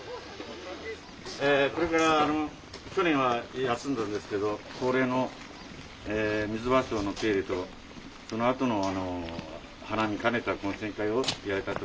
これから去年は休んだんですけど恒例のミズバショウの手入れとそのあとの花見兼ねた懇親会をやりたいと思いますので。